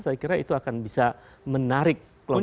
saya kira itu akan bisa menarik kelompok